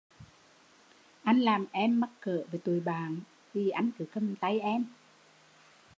Anh làm em mắc cỡ với tụi bạn vì anh cứ cầm tay em